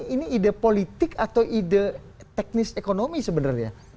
ini ide politik atau ide teknis ekonomi sebenarnya